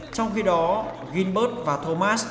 trong khi đó gilbert và thomas